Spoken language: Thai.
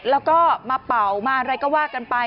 แล้วก็มาเป่ามาอะไรก็ว่ากันไป